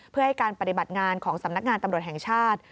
เพื่อให้การปฏิบัติงานของสำนักงานตำรวจแห่งชาติ